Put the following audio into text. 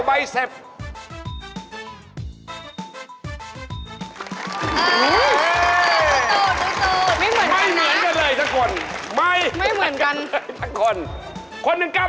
อันนี้ไม่รู้ครับ